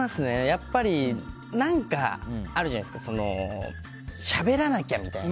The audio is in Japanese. やっぱり何かあるじゃないですかしゃべらなきゃみたいな。